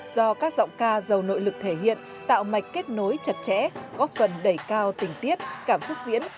do các giọng ca giàu nội lực thể hiện tạo mạch kết nối chặt chẽ góp phần đẩy cao tình tiết cảm xúc diễn